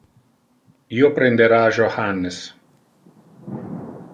Io prendera Johannes.